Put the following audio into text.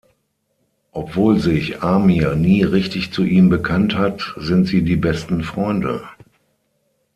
Obwohl sich Amir nie richtig zu ihm bekannt hat, sind sie die besten Freunde.